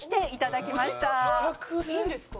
いいんですか？